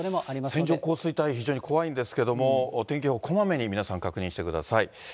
線状降水帯、非常に怖いんですけれども、天気予報、こまめに皆さん確認してください。